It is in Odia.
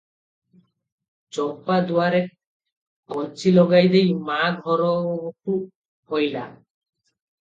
ଚମ୍ପା ଦୁଆରେ କଞ୍ଚି ଲଗାଇ ଦେଇ ମା ଘରକୁ ଅଇଲା ।